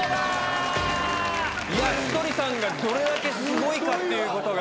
ひとりさんがどれだけすごいかっていうことが。